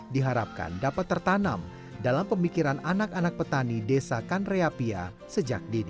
diharapkan dapat tertanam dalam pemikiran anak anak petani desa kanreapia sejak dini